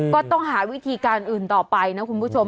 ก็ต้องหาวิธีการอื่นต่อไปนะคุณผู้ชม